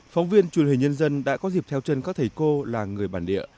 phóng viên truyền hình nhân dân đã có dịp theo chân các thầy cô là người bản địa